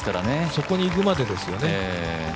そこにいくまでですよね。